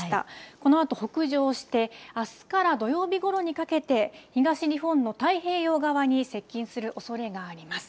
このあと北上して、あすから土曜日ごろにかけて、東日本の太平洋側に接近するおそれがあります。